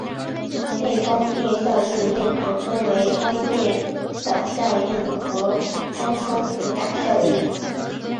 内光电效应又可分为光电导效应和光生伏打效应。